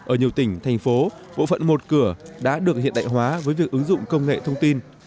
ở nhiều tỉnh thành phố bộ phận một cửa đã được hiện đại hóa với việc ứng dụng công nghệ thông tin